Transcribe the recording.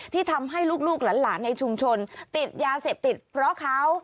ที่ทำให้ลูกหลานในชุมชนติดยาเสพติดเพราะเขา